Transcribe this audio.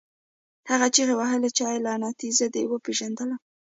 هغه چیغې وهلې چې اې لعنتي زه دې وپېژندلم